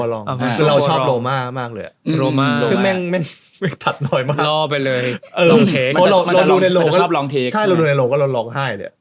ลงในโลกก็ลองลองไห้เลย